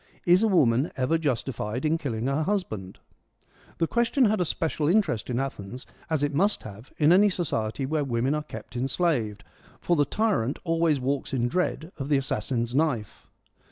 'Is a woman ever justified in killing hex husband ?' The question had a special interest in Athens, as it must have in any society where women are kept enslaved, for the tyrant always walks in dread of the assassin's knife.